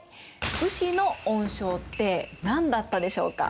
武士の恩賞って何だったでしょうか？